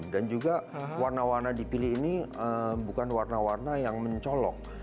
dan juga warna warna dipilih ini bukan warna warna yang mencolok